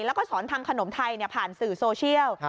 แล้วก็สอนทำขนมไทยผ่านสื่อโซเชียล